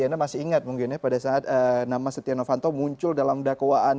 anda masih ingat mungkin ya pada saat nama setia novanto muncul dalam dakwaan